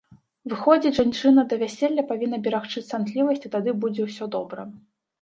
Выходзіць, жанчына да вяселля павінна берагчы цнатлівасць і тады будзе ўсё добра.